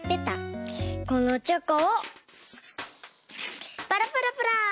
このチョコをパラパラパラ！